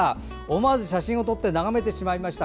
思わず写真を撮って眺めてしまいました。